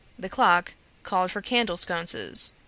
The clock called for candle sconces.